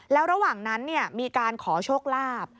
แล้วระหว่างนั้นมีการขอโชคลาภ